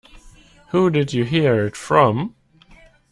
Who did you hear it from?